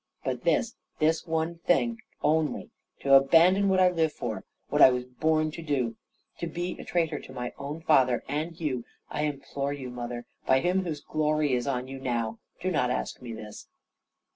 But this, this one thing only to abandon what I live for, what I was born to do, to be a traitor to my own father and you I implore you, mother, by Him whose glory is on you now, do not ask me this."